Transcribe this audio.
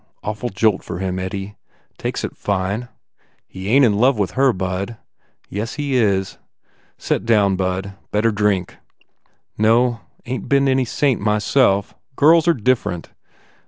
Awful jolt for him, Eddie. Takes it fine." "He ain t in love with her, bud." "Yes, he is." "Set down, bud. Better drink " "No. Ain t been any saint, myself. Girls are different.